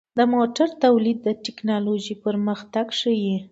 د موټرو تولید د ټکنالوژۍ پرمختګ ښيي.